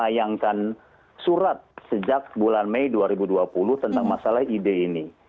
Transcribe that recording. yangkan surat sejak bulan mei dua ribu dua puluh tentang masalah ide ini